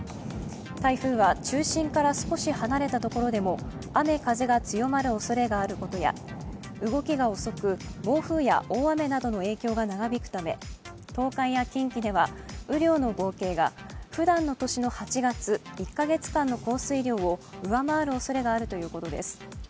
台風は中心から少し離れたところでも雨・風が強まるおそれがあることや動きが遅く暴風や大雨などの影響が長引くため東海や近畿では雨量の合計がふだんの年の８月、１か月間の降水量を上回るおそれがあるということです。